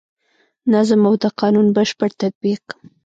نظم او د قانون بشپړ تطبیق.